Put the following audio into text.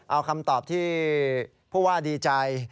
เอาคำตอบที่ผู้ว่าดีใจ